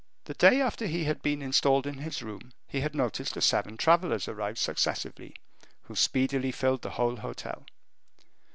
The day after he had been installed in his room, he had noticed the seven travelers arrive successively, who speedily filled the whole hotel.